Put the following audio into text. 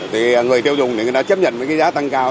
thì người tiêu dùng thì người ta chấp nhận với cái giá tăng cao